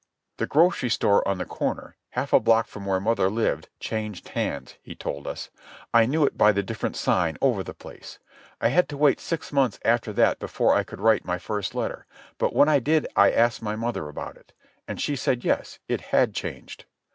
"The grocery store on the corner, half a block from where mother lived, changed hands," he told us. "I knew it by the different sign over the place. I had to wait six months after that before I could write my first letter, but when I did I asked mother about it. And she said yes, it had changed."